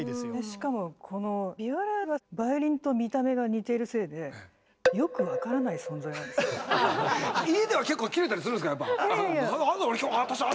しかもこのビオラはバイオリンと見た目が似てるせいで家では結構キレたりするんですかやっぱ。